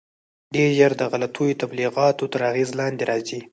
ډېر ژر د غلطو تبلیغاتو تر اغېز لاندې راځي.